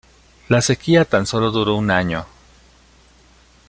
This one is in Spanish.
La sequía tan sólo duró un año.